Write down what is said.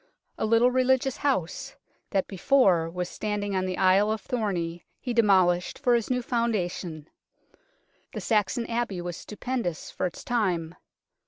A little religious house that before was standing on the Isle of Thorney he demolished for his new founda tion. The Saxon Abbey was stupendous for its time.